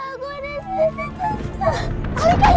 aku ada disini tante